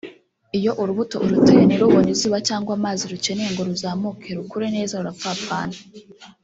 Iyo urubuto uruteye ntirubone izuba cyangwa amazi rukeneye ngo ruzamuke rukure neza rurapfapfana